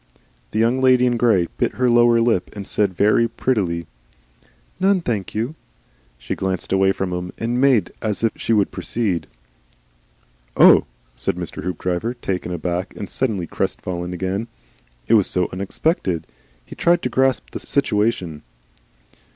The Young Lady in Grey bit her lower lip and said very prettily, "None, thank you." She glanced away from him and made as if she would proceed. "Oh!" said Mr. Hoopdriver, taken aback and suddenly crestfallen again. It was so unexpected. He tried to grasp the situation.